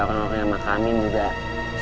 si halimah meninggalnya kan karena sakit